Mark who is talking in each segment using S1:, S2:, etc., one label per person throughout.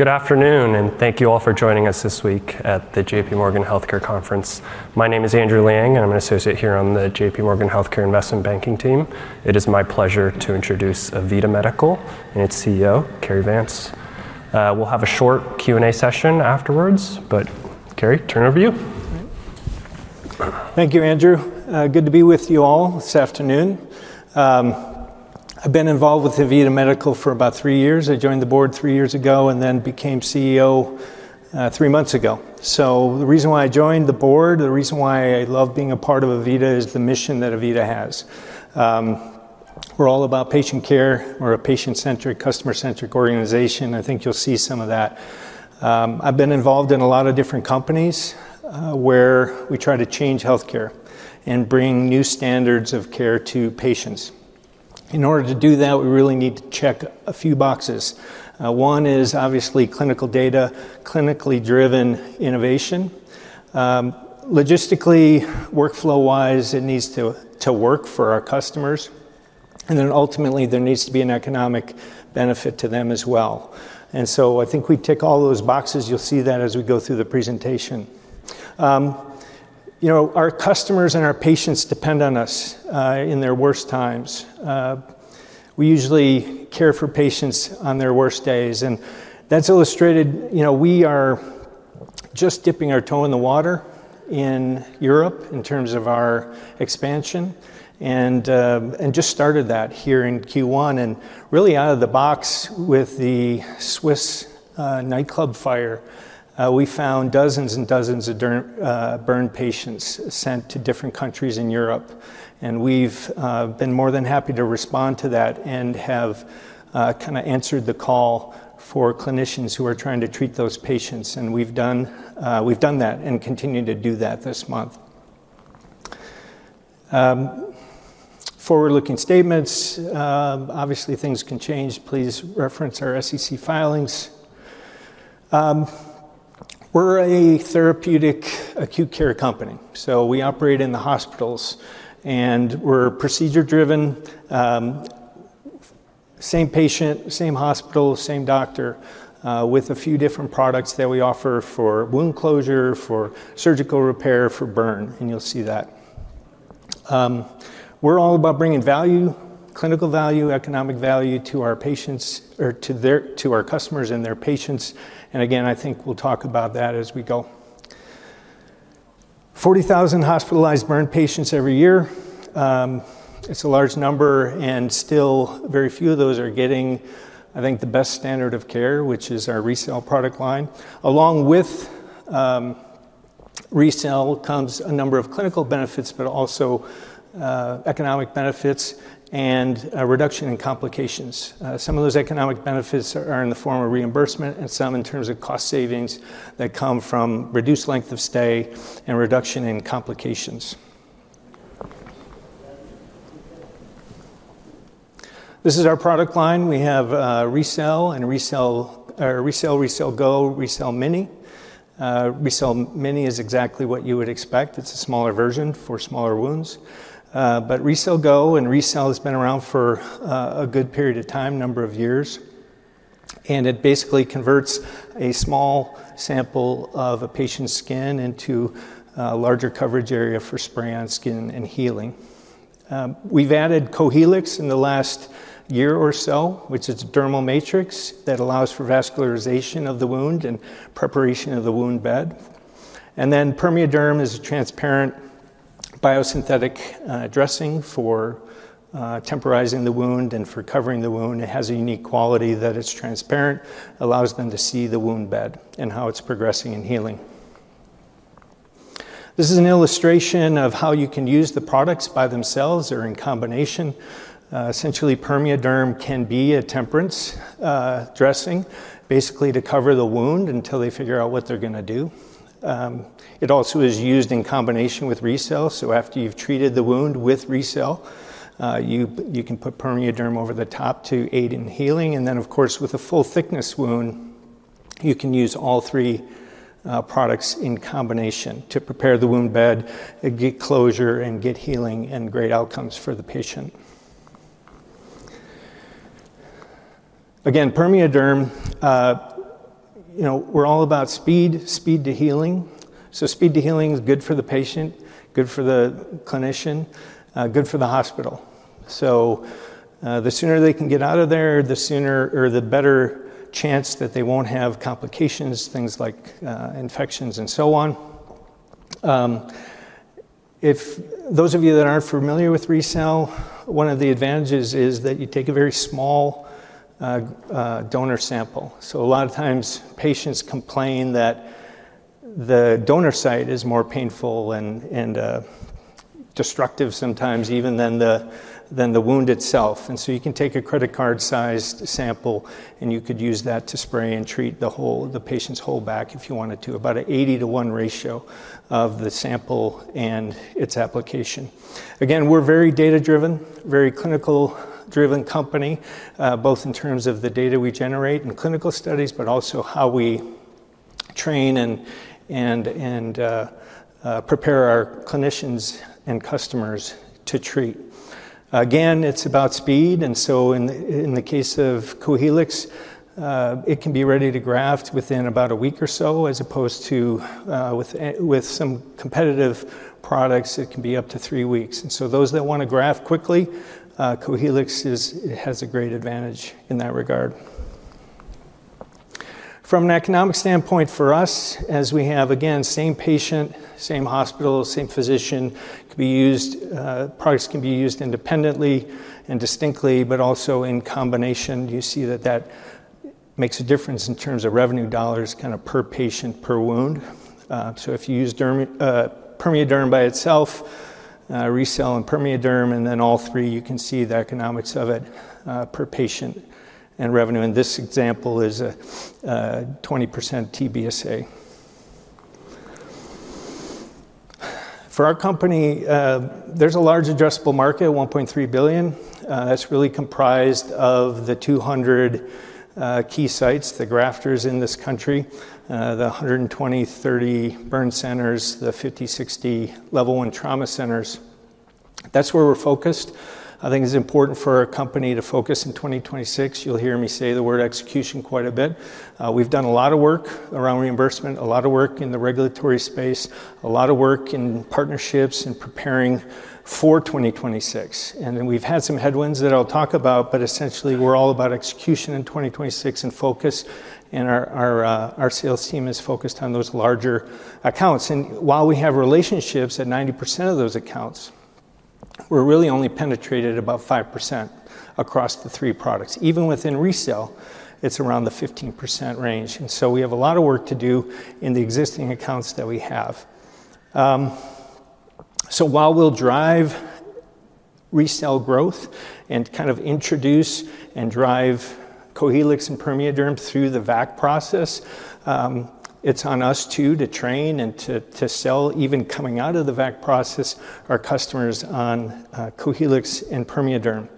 S1: Good afternoon, and thank you all for joining us this week at the JPMorgan Healthcare Conference. My name is Andrew Liang, and I'm an associate here on the JPMorgan Healthcare Investment Banking team. It is my pleasure to introduce AVITA Medical and its CEO, Cary Vance. We'll have a short Q&A session afterwards, but Carrie, turn it over to you.
S2: Thank you, Andrew. Good to be with you all this afternoon. I've been involved with AVITA Medical for about three years. I joined the board three years ago and then became CEO three months ago, so the reason why I joined the board, the reason why I love being a part of AVITA, is the mission that AVITA has. We're all about patient care. We're a patient-centric, customer-centric organization. I think you'll see some of that. I've been involved in a lot of different companies where we try to change healthcare and bring new standards of care to patients. In order to do that, we really need to check a few boxes. One is obviously clinical data, clinically driven innovation. Logistically, workflow-wise, it needs to work for our customers, and then ultimately, there needs to be an economic benefit to them as well. And so I think we tick all those boxes. You'll see that as we go through the presentation. Our customers and our patients depend on us in their worst times. We usually care for patients on their worst days. And that's illustrated. We are just dipping our toe in the water in Europe in terms of our expansion and just started that here in Q1. And really out of the box with the Swiss nightclub fire, we found dozens and dozens of burned patients sent to different countries in Europe. And we've been more than happy to respond to that and have kind of answered the call for clinicians who are trying to treat those patients. And we've done that and continue to do that this month. Forward-looking statements, obviously things can change. Please reference our SEC filings. We're a therapeutic acute care company. So we operate in the hospitals, and we're procedure-driven. Same patient, same hospital, same doctor, with a few different products that we offer for wound closure, for surgical repair, for burn. And you'll see that. We're all about bringing value, clinical value, economic value to our patients, or to our customers and their patients. And again, I think we'll talk about that as we go. 40,000 hospitalized burned patients every year. It's a large number, and still very few of those are getting, I think, the best standard of care, which is our RECELL product line. Along with RECELL comes a number of clinical benefits, but also economic benefits and a reduction in complications. Some of those economic benefits are in the form of reimbursement and some in terms of cost savings that come from reduced length of stay and reduction in complications. This is our product line. We have RECELL and RECELL GO, RECELL Micro. RECELL Micro is exactly what you would expect. It's a smaller version for smaller wounds, but RECELL GO and RECELL has been around for a good period of time, a number of years, and it basically converts a small sample of a patient's skin into a larger coverage area for spray-on skin and healing. We've added CoHelix in the last year or so, which is a dermal matrix that allows for vascularization of the wound and preparation of the wound bed, and then PermeaDerm is a transparent biosynthetic dressing for temporizing the wound and for covering the wound. It has a unique quality that it's transparent, allows them to see the wound bed and how it's progressing and healing. This is an illustration of how you can use the products by themselves or in combination. Essentially, PermeaDerm can be a temporary dressing, basically to cover the wound until they figure out what they're going to do. It also is used in combination with RECELL. So after you've treated the wound with RECELL, you can put PermeaDerm over the top to aid in healing. And then, of course, with a full-thickness wound, you can use all three products in combination to prepare the wound bed, get closure, and get healing and great outcomes for the patient. Again, PermeaDerm, we're all about speed, speed to healing. So speed to healing is good for the patient, good for the clinician, good for the hospital. So the sooner they can get out of there, the better chance that they won't have complications, things like infections and so on. If those of you that aren't familiar with RECELL, one of the advantages is that you take a very small donor sample. So a lot of times, patients complain that the donor site is more painful and destructive sometimes, even than the wound itself. You can take a credit card-sized sample, and you could use that to spray and treat the patient's whole back if you wanted to, about an 80 to 1 ratio of the sample and its application. We're a very data-driven, very clinical-driven company, both in terms of the data we generate in clinical studies, but also how we train and prepare our clinicians and customers to treat. It's about speed. In the case of CoHelix, it can be ready to graft within about a week or so, as opposed to with some competitive products, it can be up to three weeks. And so those that want to graft quickly, CoHelix has a great advantage in that regard. From an economic standpoint for us, as we have, again, same patient, same hospital, same physician, products can be used independently and distinctly, but also in combination. You see that that makes a difference in terms of revenue dollars kind of per patient, per wound. So if you use PermeaDerm by itself, RECELL and PermeaDerm, and then all three, you can see the economics of it per patient and revenue. And this example is a 20% TBSA. For our company, there's a large addressable market, $1.3 billion. That's really comprised of the 200 key sites, the grafters in this country, the 120-130 burn centers, the 50-60 level one trauma centers. That's where we're focused. I think it's important for our company to focus in 2026. You'll hear me say the word execution quite a bit. We've done a lot of work around reimbursement, a lot of work in the regulatory space, a lot of work in partnerships and preparing for 2026. And then we've had some headwinds that I'll talk about, but essentially, we're all about execution in 2026 and focus. And our sales team is focused on those larger accounts. And while we have relationships at 90% of those accounts, we're really only penetrated about 5% across the three products. Even within RECELL, it's around the 15% range. And so we have a lot of work to do in the existing accounts that we have. So while we'll drive RECELL growth and kind of introduce and drive CoHelix and PermeaDerm through the VAC process, it's on us too to train and to sell, even coming out of the VAC process, our customers on CoHelix and PermeaDerm.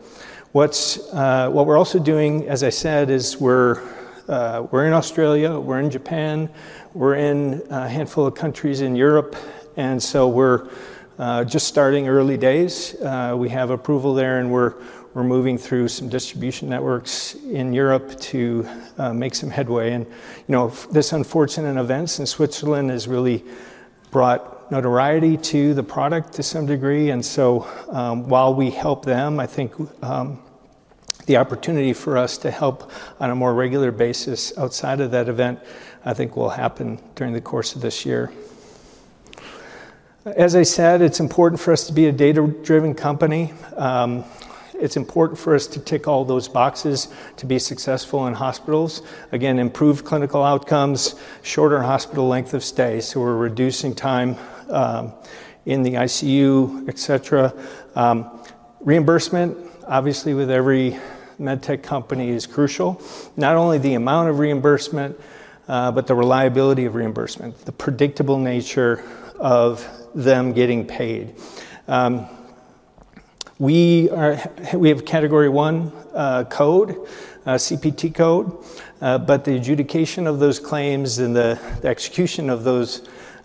S2: What we're also doing, as I said, is we're in Australia, we're in Japan, we're in a handful of countries in Europe. And so we're just starting early days. We have approval there, and we're moving through some distribution networks in Europe to make some headway. And this unfortunate event in Switzerland has really brought notoriety to the product to some degree. And so while we help them, I think the opportunity for us to help on a more regular basis outside of that event, I think will happen during the course of this year. As I said, it's important for us to be a data-driven company. It's important for us to tick all those boxes to be successful in hospitals. Again, improved clinical outcomes, shorter hospital length of stay. So we're reducing time in the ICU, et cetera. Reimbursement, obviously, with every med tech company is crucial. Not only the amount of reimbursement, but the reliability of reimbursement, the predictable nature of them getting paid. We have Category I CPT code, but the adjudication of those claims and the execution of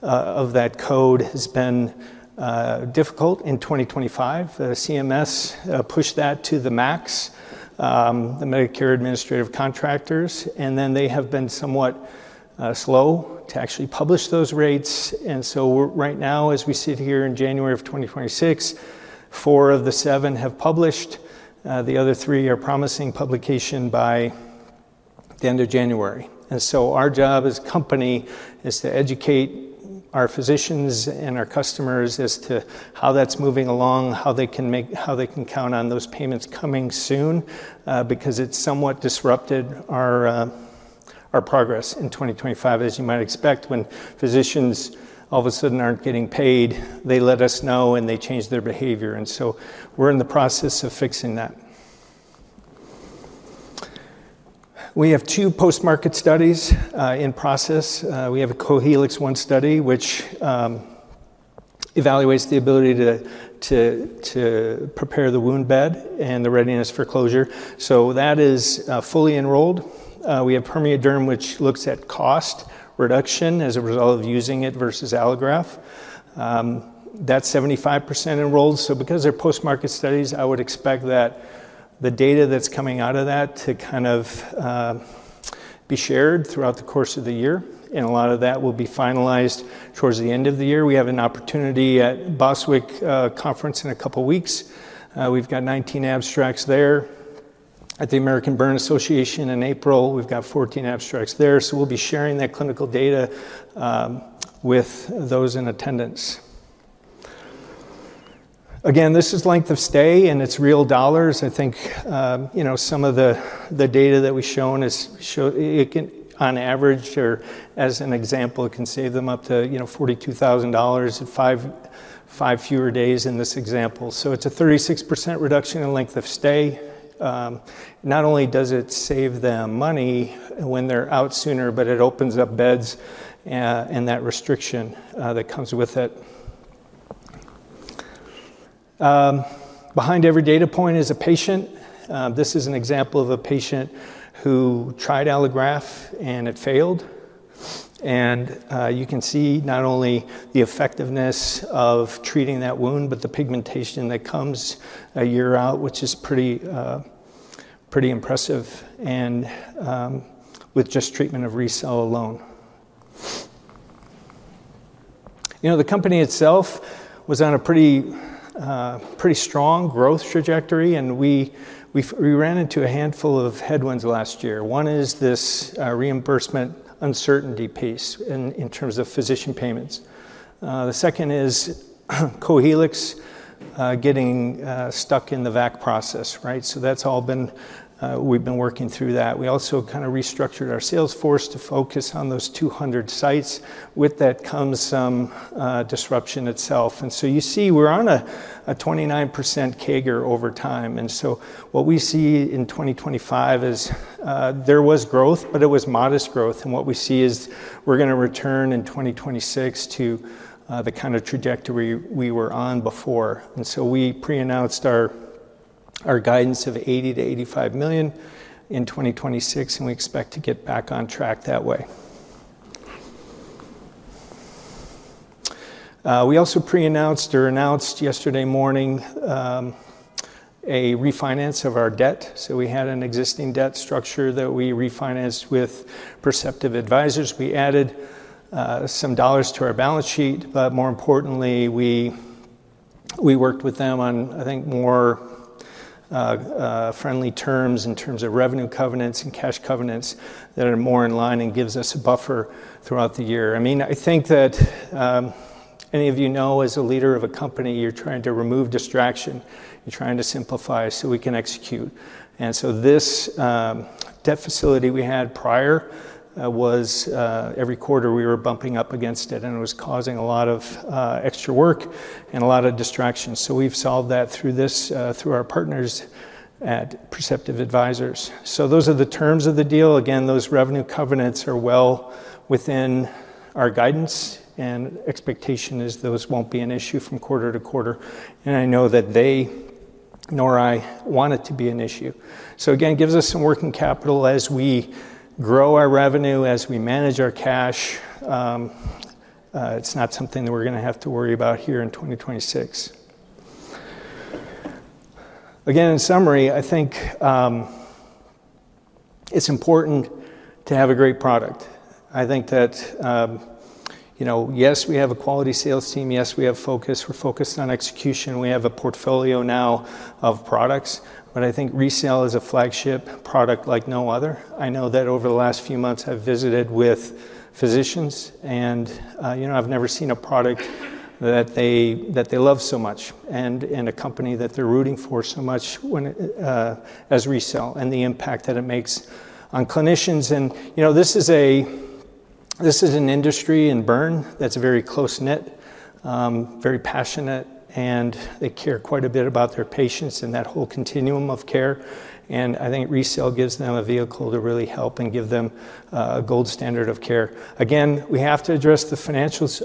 S2: that code has been difficult in 2025. CMS pushed that to the max, the Medicare Administrative Contractors, and then they have been somewhat slow to actually publish those rates, and so right now, as we sit here in January of 2026, four of the seven have published. The other three are promising publication by the end of January. And so our job as a company is to educate our physicians and our customers as to how that's moving along, how they can count on those payments coming soon, because it's somewhat disrupted our progress in 2025, as you might expect. When physicians all of a sudden aren't getting paid, they let us know and they change their behavior. And so we're in the process of fixing that. We have two post-market studies in process. We have a CoHelix one study, which evaluates the ability to prepare the wound bed and the readiness for closure. So that is fully enrolled. We have PermeaDerm, which looks at cost reduction as a result of using it versus allograft. That's 75% enrolled. So because they're post-market studies, I would expect that the data that's coming out of that to kind of be shared throughout the course of the year. And a lot of that will be finalized towards the end of the year. We have an opportunity at Boswick conference in a couple of weeks. We've got 19 abstracts there at the American Burn Association in April. We've got 14 abstracts there. So we'll be sharing that clinical data with those in attendance. Again, this is length of stay and it's real dollars. I think some of the data that we've shown is on average, or as an example, it can save them up to $42,000 in five fewer days in this example. So it's a 36% reduction in length of stay. Not only does it save them money when they're out sooner, but it opens up beds and that restriction that comes with it. Behind every data point is a patient. This is an example of a patient who tried allograft and it failed. You can see not only the effectiveness of treating that wound, but the pigmentation that comes a year out, which is pretty impressive with just treatment of RECELL alone. The company itself was on a pretty strong growth trajectory, and we ran into a handful of headwinds last year. One is this reimbursement uncertainty piece in terms of physician payments. The second is CoHelix getting stuck in the VAC process, right? So that's all we've been working through that. We also kind of restructured our sales force to focus on those 200 sites. With that comes some disruption itself. And so you see we're on a 29% CAGR over time. And so what we see in 2025 is there was growth, but it was modest growth. And what we see is we're going to return in 2026 to the kind of trajectory we were on before. And so we pre-announced our guidance of $80 million-$85 million in 2026, and we expect to get back on track that way. We also pre-announced or announced yesterday morning a refinance of our debt. So we had an existing debt structure that we refinanced with Perceptive Advisors. We added some dollars to our balance sheet, but more importantly, we worked with them on, I think, more friendly terms in terms of revenue covenants and cash covenants that are more in line and gives us a buffer throughout the year. I mean, I think that any of you know, as a leader of a company, you're trying to remove distraction. You're trying to simplify so we can execute. And so this debt facility we had prior was every quarter we were bumping up against it, and it was causing a lot of extra work and a lot of distraction. We've solved that through our partners at Perceptive Advisors. So those are the terms of the deal. Again, those revenue covenants are well within our guidance, and expectation is those won't be an issue from quarter to quarter. And I know that they, nor I, want it to be an issue. So again, it gives us some working capital as we grow our revenue, as we manage our cash. It's not something that we're going to have to worry about here in 2026. Again, in summary, I think it's important to have a great product. I think that, yes, we have a quality sales team. Yes, we have focus. We're focused on execution. We have a portfolio now of products, but I think RECELL is a flagship product like no other. I know that over the last few months, I've visited with physicians, and I've never seen a product that they love so much and a company that they're rooting for so much as RECELL and the impact that it makes on clinicians. And this is an industry in burn that's very close-knit, very passionate, and they care quite a bit about their patients and that whole continuum of care. And I think RECELL gives them a vehicle to really help and give them a gold standard of care. Again, we have to address the financials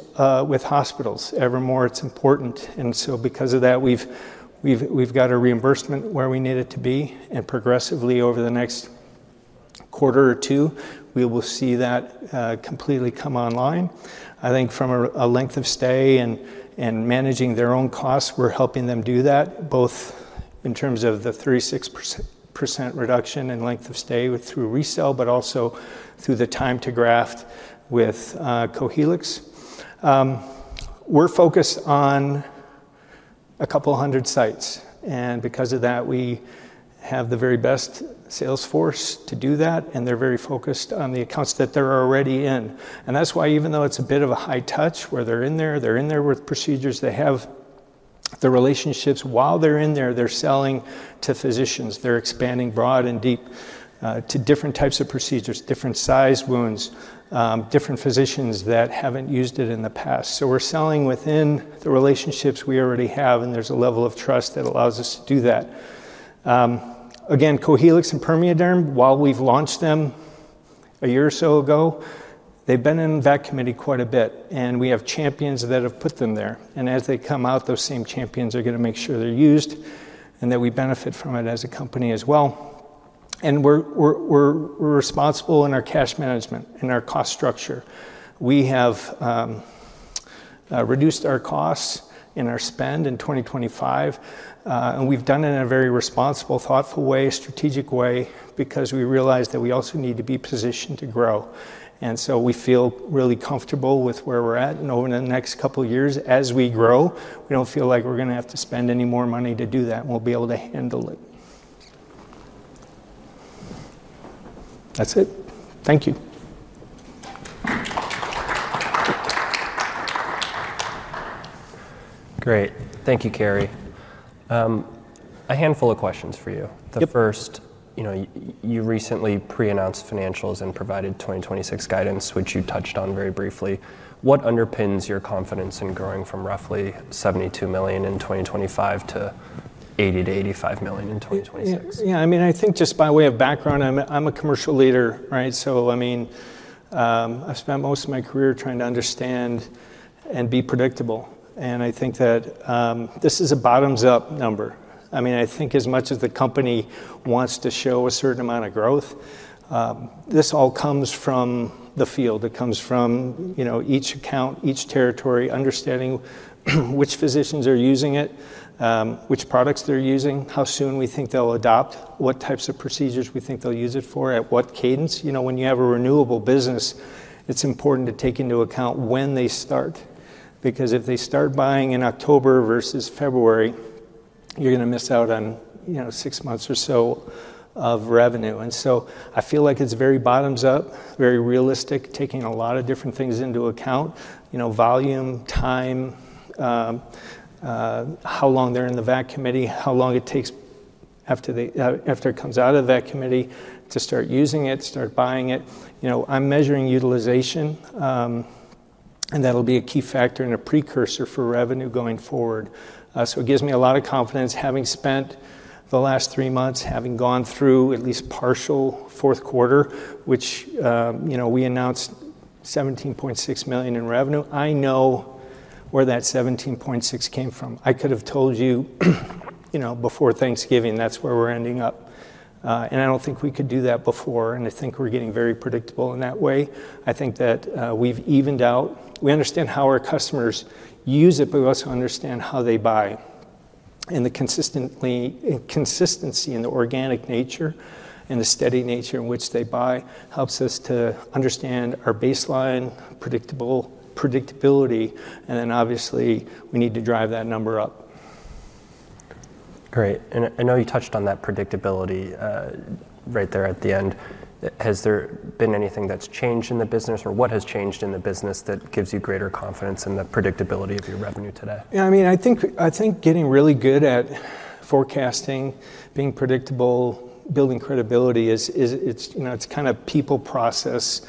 S2: with hospitals ever more. It's important. And so because of that, we've got a reimbursement where we need it to be. And progressively, over the next quarter or two, we will see that completely come online. I think from a length of stay and managing their own costs, we're helping them do that, both in terms of the 36% reduction in length of stay through RECELL, but also through the time to graft with CoHelix. We're focused on a couple of hundred sites. And because of that, we have the very best sales force to do that, and they're very focused on the accounts that they're already in. And that's why, even though it's a bit of a high touch where they're in there, they're in there with procedures. They have the relationships while they're in there. They're selling to physicians. They're expanding broad and deep to different types of procedures, different size wounds, different physicians that haven't used it in the past. So we're selling within the relationships we already have, and there's a level of trust that allows us to do that. Again, CoHelix and PermeaDerm, while we've launched them a year or so ago, they've been in that committee quite a bit. And we have champions that have put them there. And as they come out, those same champions are going to make sure they're used and that we benefit from it as a company as well. And we're responsible in our cash management and our cost structure. We have reduced our costs and our spend in 2025. And we've done it in a very responsible, thoughtful way, strategic way, because we realize that we also need to be positioned to grow. And so we feel really comfortable with where we're at. And over the next couple of years, as we grow, we don't feel like we're going to have to spend any more money to do that, and we'll be able to handle it. That's it. Thank you.
S1: Great. Thank you, Carrie. A handful of questions for you. The first, you recently pre-announced financials and provided 2026 guidance, which you touched on very briefly. What underpins your confidence in growing from roughly $72 million in 2025 to $80-$85 million in 2026?
S2: Yeah. I mean, I think just by way of background, I'm a commercial leader, right? So I mean, I've spent most of my career trying to understand and be predictable. And I think that this is a bottoms-up number. I mean, I think as much as the company wants to show a certain amount of growth, this all comes from the field. It comes from each account, each territory, understanding which physicians are using it, which products they're using, how soon we think they'll adopt, what types of procedures we think they'll use it for, at what cadence. When you have a renewable business, it's important to take into account when they start, because if they start buying in October versus February, you're going to miss out on six months or so of revenue. I feel like it's very bottoms-up, very realistic, taking a lot of different things into account: volume, time, how long they're in the VAC committee, how long it takes after it comes out of the VAC committee to start using it, start buying it. I'm measuring utilization, and that'll be a key factor and a precursor for revenue going forward. It gives me a lot of confidence. Having spent the last three months, having gone through at least partial fourth quarter, which we announced $17.6 million in revenue, I know where that $17.6 million came from. I could have told you before Thanksgiving that's where we're ending up. I don't think we could do that before. I think we're getting very predictable in that way. I think that we've evened out. We understand how our customers use it, but we also understand how they buy. And the consistency and the organic nature and the steady nature in which they buy helps us to understand our baseline predictability. And then obviously, we need to drive that number up.
S1: Great. And I know you touched on that predictability right there at the end. Has there been anything that's changed in the business, or what has changed in the business that gives you greater confidence in the predictability of your revenue today?
S2: Yeah. I mean, I think getting really good at forecasting, being predictable, building credibility, it's kind of people, process,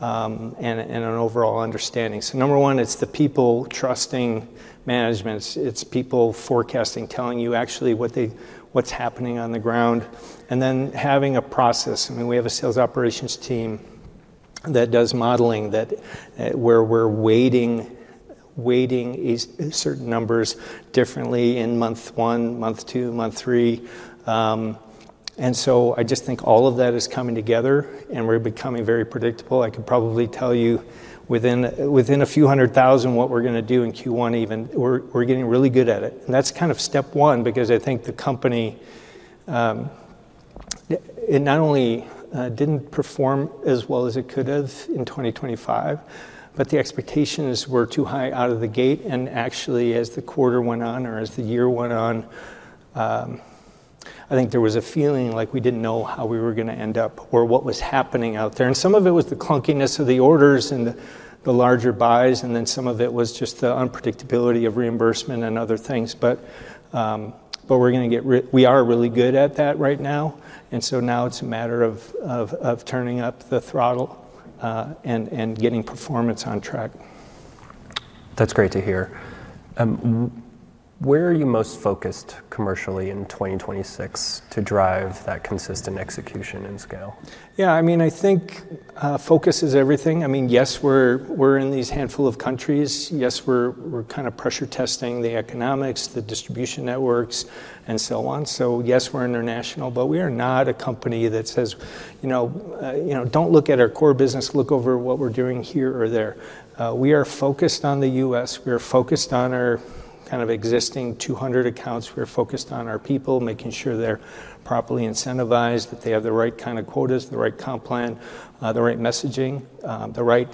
S2: and an overall understanding. So number one, it's the people trusting management. It's people forecasting, telling you actually what's happening on the ground. And then having a process. I mean, we have a sales operations team that does modeling where we're weighting certain numbers differently in month one, month two, month three. And so I just think all of that is coming together, and we're becoming very predictable. I could probably tell you within a few hundred thousand what we're going to do in Q1 even. We're getting really good at it. And that's kind of step one, because I think the company not only didn't perform as well as it could have in 2025, but the expectations were too high out of the gate. Actually, as the quarter went on or as the year went on, I think there was a feeling like we didn't know how we were going to end up or what was happening out there. Some of it was the clunkiness of the orders and the larger buys, and then some of it was just the unpredictability of reimbursement and other things. We are really good at that right now. Now it's a matter of turning up the throttle and getting performance on track.
S1: That's great to hear. Where are you most focused commercially in 2026 to drive that consistent execution and scale?
S2: Yeah. I mean, I think focus is everything. I mean, yes, we're in these handful of countries. Yes, we're kind of pressure testing the economics, the distribution networks, and so on. So yes, we're international, but we are not a company that says, "Don't look at our core business. Look over what we're doing here or there." We are focused on the U.S.. We are focused on our kind of existing 200 accounts. We are focused on our people, making sure they're properly incentivized, that they have the right kind of quotas, the right comp plan, the right messaging, the right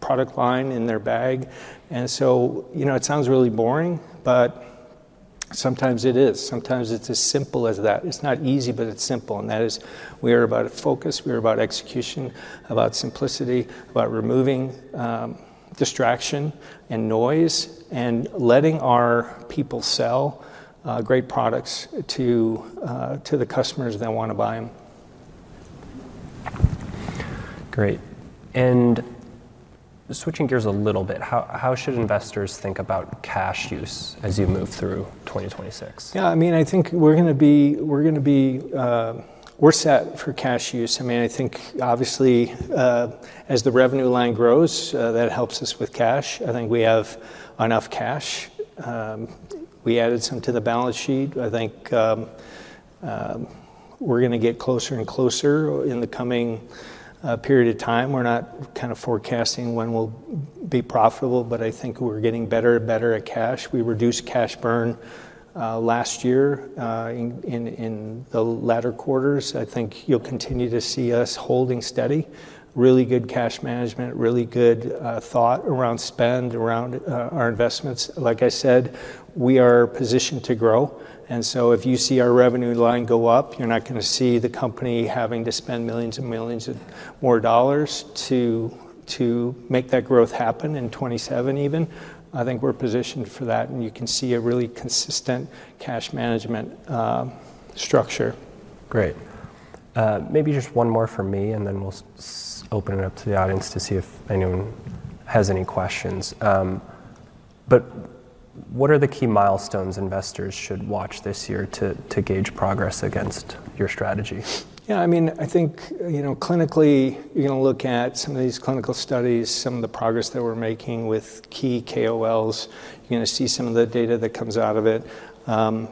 S2: product line in their bag. And so it sounds really boring, but sometimes it is. Sometimes it's as simple as that. It's not easy, but it's simple. And that is we are about focus. We are about execution, about simplicity, about removing distraction and noise and letting our people sell great products to the customers that want to buy them.
S1: Great. And switching gears a little bit, how should investors think about cash use as you move through 2026?
S2: Yeah. I mean, I think we're going to be set for cash use. I mean, I think obviously, as the revenue line grows, that helps us with cash. I think we have enough cash. We added some to the balance sheet. I think we're going to get closer and closer in the coming period of time. We're not kind of forecasting when we'll be profitable, but I think we're getting better and better at cash. We reduced cash burn last year in the latter quarters. I think you'll continue to see us holding steady. Really good cash management, really good thought around spend, around our investments. Like I said, we are positioned to grow. And so if you see our revenue line go up, you're not going to see the company having to spend millions and millions more dollars to make that growth happen in 2027 even. I think we're positioned for that. And you can see a really consistent cash management structure.
S1: Great. Maybe just one more from me, and then we'll open it up to the audience to see if anyone has any questions. But what are the key milestones investors should watch this year to gauge progress against your strategy?
S2: Yeah. I mean, I think clinically, you're going to look at some of these clinical studies, some of the progress that we're making with key KOLs. You're going to see some of the data that comes out of it.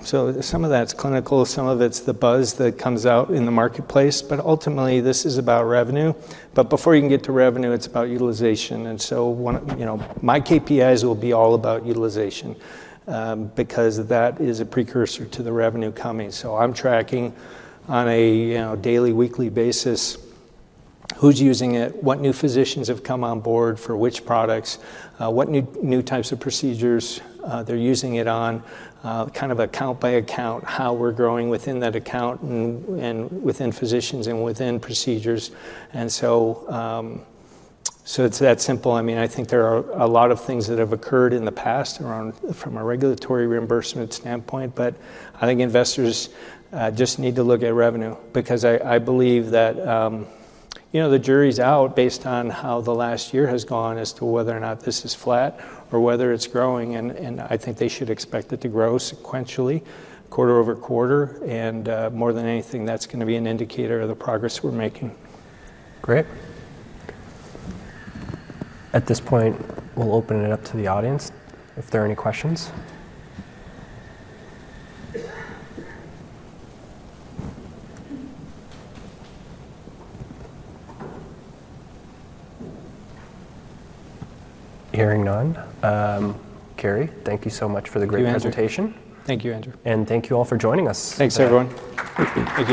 S2: So some of that's clinical. Some of it's the buzz that comes out in the marketplace, but ultimately, this is about revenue, but before you can get to revenue, it's about utilization, and so my KPIs will be all about utilization because that is a precursor to the revenue coming, so I'm tracking on a daily, weekly basis who's using it, what new physicians have come on board for which products, what new types of procedures they're using it on, kind of account by account, how we're growing within that account and within physicians and within procedures, and so it's that simple. I mean, I think there are a lot of things that have occurred in the past from a regulatory reimbursement standpoint, but I think investors just need to look at revenue because I believe that the jury's out based on how the last year has gone as to whether or not this is flat or whether it's growing, and I think they should expect it to grow sequentially, quarter-over-quarter, and more than anythng, that's going to be an indicator of the progress we're making.
S1: Great. At this point, we'll open it up to the audience if there are any questions. Hearing none. Carrie, thank you so much for the great presentation.
S2: Thank you, Andrew.
S1: Thank you all for joining us.
S2: Thanks, everyone.